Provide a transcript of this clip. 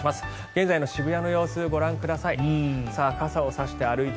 現在の渋谷の様子ご覧ください。